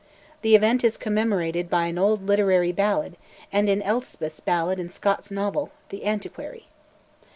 The event is commemorated by an old literary ballad, and in Elspeth's ballad in Scott's novel, 'The Antiquary.'